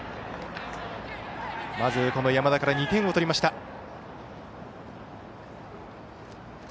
まず山田から２点を取りました。